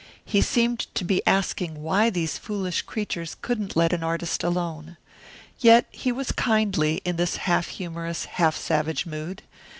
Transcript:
He seemed to be asking why these foolish creatures couldn't let an artist alone. Yet he was kindly, in this half humorous, half savage mood.